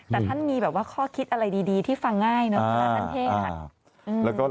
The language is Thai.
แต่ท่านมีแบบว่าข้อคิดอะไรดีที่ฟังง่ายเนอะท่านเทศ